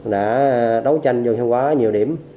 đã đấu tranh vô hiệu